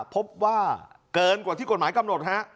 พบว่าเกินกว่าที่กฎหมายกำหนดฮะ